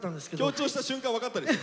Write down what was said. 強調した瞬間分かったでしょ？